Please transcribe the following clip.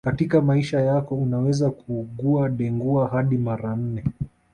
Katika maisha yako unaweza kuugua Dengua hadi mara nne